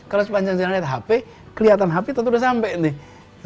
kalau sepanjang saya lihat hp kelihatan hp tentu udah sampai nih